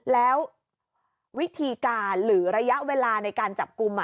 แล้ววิธีการหรือระยะเวลาในการจับกลุ่ม